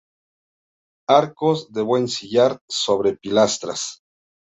Arcos, de buen sillar, sobre pilastras.